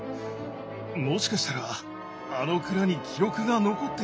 もしかしたらあの蔵に記録が残っているかも。